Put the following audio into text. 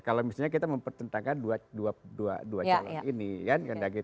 kalau misalnya kita mempertentangkan dua calon ini